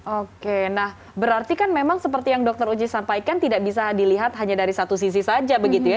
oke nah berarti kan memang seperti yang dokter uji sampaikan tidak bisa dilihat hanya dari satu sisi saja begitu ya